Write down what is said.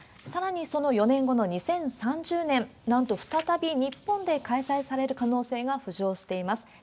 さらにその４年後の２０３０年、なんと再び日本で開催される可能性が浮上しています。